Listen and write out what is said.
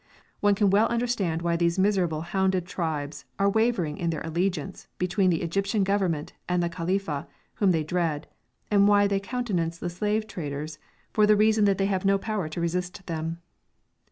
One can well understand why these miserable hounded tribes are wavering in their allegiance between the Egyptian Government and the Khalifa, whom they dread, and why they countenance the slave traders, for the reason that they have no power to resist them.